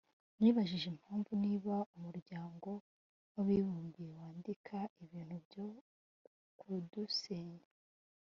nibajije impamvu niba Umuryango w’Abibumye wandika ibintu byo kudusenya